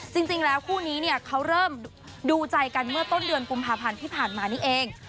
จริงแล้วคู่นี้เนี่ยเขาเริ่มดูใจกันเมื่อต้นเดือนกุมภาพันธ์ที่ผ่านมานี่เอง